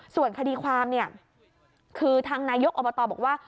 ส่วนคดีความเนี่ยคือทางนายกอบตบอกว่า